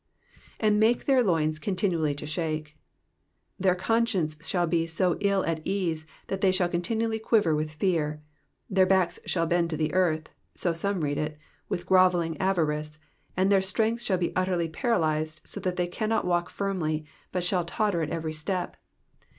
'*'And make their loins continually to sluike,'*^ Their conscience shall be so ill at ease that they shall continually quiver with fear ; their backs shall bend to the earth (so some read it) with grovelling avarice, and their strength shall be utterly paralyzed, so that they cannot walk firmly, but shall totter at every step.